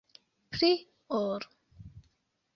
Pli ol.